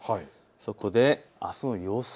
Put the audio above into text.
そこであすの予想